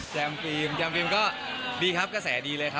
ฟิล์มแจมฟิล์มก็ดีครับกระแสดีเลยครับ